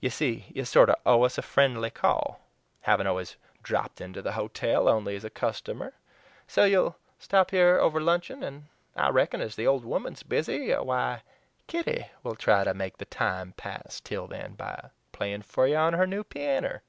You see, you sorter owe us a friendly call havin' always dropped inter the hotel only as a customer so ye'll stop here over luncheon, and I reckon, as the old woman is busy, why Kitty will try to make the time pass till then by playin' for you on her new pianner."